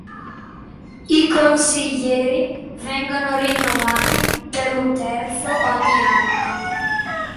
I consiglieri vengono rinnovati per un terzo ogni anno.